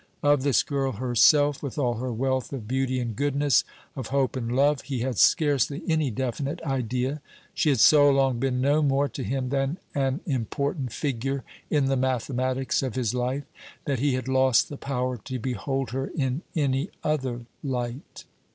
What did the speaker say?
Of this girl herself, with all her wealth of beauty and goodness, of hope and love, he had scarcely any definite idea. She had so long been no more to him than an important figure in the mathematics of his life, that he had lost the power to behold her in any other light.